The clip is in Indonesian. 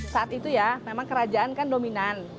saat itu ya memang kerajaan kan dominan